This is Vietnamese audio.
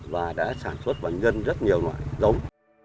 và đã sản xuất và nhân rất nhiều loại giống